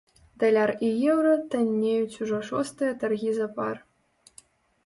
Даляр і еўра таннеюць ўжо шостыя таргі запар.